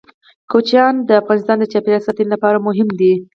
کوچیان د افغانستان د چاپیریال ساتنې لپاره مهم دي.